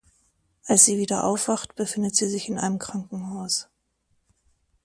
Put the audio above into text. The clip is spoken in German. Als sie wieder aufwacht, befindet sie sich in einem Krankenhaus.